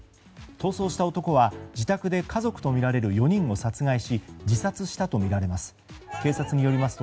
逃走した男は自宅で家族とみられる４人を殺害し自殺したとみられます。